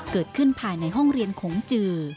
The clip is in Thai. เกิดขึ้นภายในห้องเรียนของจือ